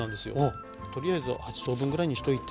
とりあえず８等分ぐらいにしといて。